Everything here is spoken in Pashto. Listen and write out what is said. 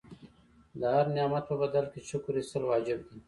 د هر نعمت په بدل کې شکر ایستل واجب دي.